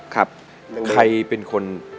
ใครเป็นคน